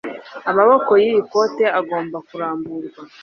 Amaboko yiyi koti agomba kuramburwa.